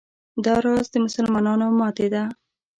دا راز د مسلمانانو ماتې ده.